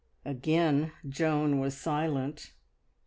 Again Joan was silent.